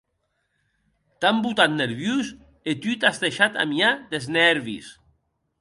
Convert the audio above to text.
T’an botat nerviós e tu t’as deishat amiar des nèrvis.